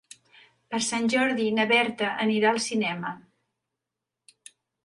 Per Sant Jordi na Berta anirà al cinema.